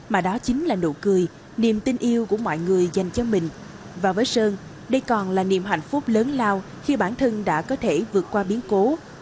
mà đó chính là niềm hạnh phúc lớn lao khi bản thân đã có thể tham gia một cuộc đời